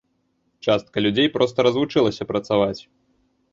Частка людзей проста развучылася працаваць.